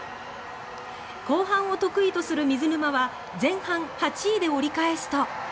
後半を得意とする水沼は前半を８位で追い返すと。